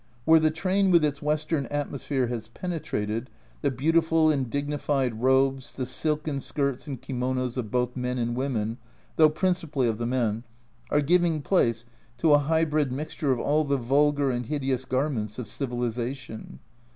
Where the train with its Western atmosphere has penetrated, the beautiful and dignified robes, the silken skirts and kimonos of both men and women, though principally of the men, are giving place to a hybrid mixture of all the vulgar and hideous garments of " civilisation."